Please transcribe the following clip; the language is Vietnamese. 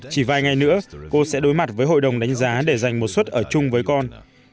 chỉ vài ngày nữa cô sẽ đối mặt với hội đồng đánh giá để dành một suất ở chung với con